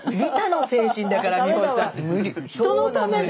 人のためね。